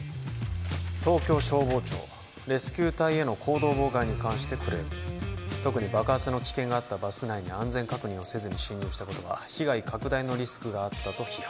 東京消防庁レスキュー隊への行動妨害に関してクレーム特に爆発の危険があったバス内に安全確認をせずに侵入したことは被害拡大のリスクがあったと批判